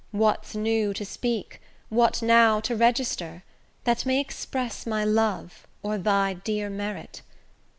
What's new to speak, what now to register, That may express my love, or thy dear merit?